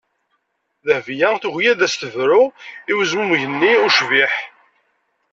Dehbiya tugi ad as-tebru i wezmumeg-nni ucbiḥ.